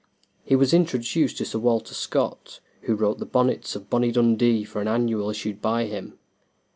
He was introduced to Sir Walter Scott, who wrote the "Bonnets of Bonnie Dundee" for an annual issued by him.